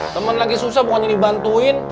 temen lagi susah bukannya dibantuin